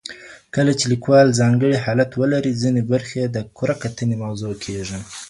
کله چې لیکوال ځانګړی حالت ولري، ځینې برخې یې د کره کتنې موضوع کیږي.